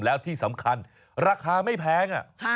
แล้วที่สำคัญราคาไม่แพง